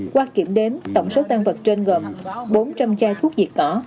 qua kiểm đếm tổng số tan vật trên gồm bốn trăm linh chai thuốc diệt cỏ